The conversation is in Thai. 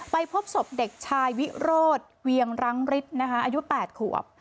พบศพเด็กชายวิโรธเวียงรังฤทธิ์อายุ๘ขวบ